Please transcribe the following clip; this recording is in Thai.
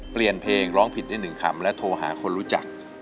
เปลี่ยนเพลงร้องผิดได้๑คำและโทรหาคนรู้จัก